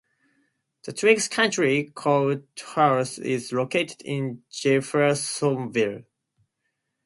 The Twiggs County Courthouse is located in Jeffersonville.